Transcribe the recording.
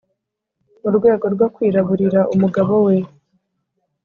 murwego rwo kwiraburira umugabo we